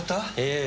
ええ。